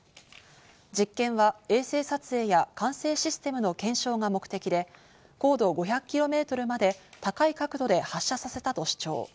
実験は衛星撮影や管制システムの検証が目的で、高度５００キロメートルまで、高い角度で発射させたと主張。